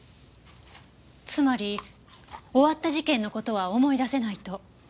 つまり終わった事件の事は思い出せないと？